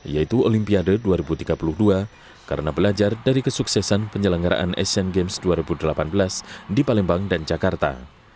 yaitu olimpiade dua ribu tiga puluh dua karena belajar dari kesuksesan penyelenggaraan asian games dua ribu delapan belas di palembang dan jakarta